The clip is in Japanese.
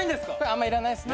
あんまいらないですね。